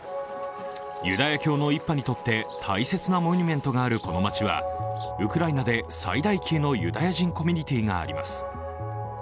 ユダヤ教の一派にとって大切なモニュメントがあるこの町はウクライナで最大級のユダヤ人コミュニティーがあります。